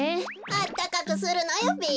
あったかくするのよべ。